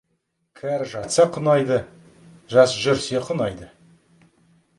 Кәрі жатса, қунайды, жас жүрсе, қунайды.